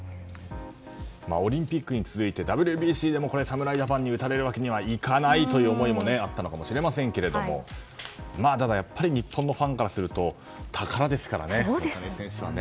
オリンピックに続いてＷＢＣでも侍ジャパンに打たれるわけにはいかないという思いもあったのかもしれませんがただ、やっぱり日本のファンからすると宝ですからね、大谷選手はね。